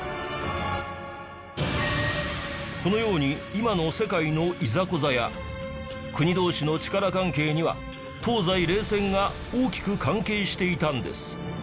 このように今の世界のいざこざや国同士の力関係には東西冷戦が大きく関係していたんです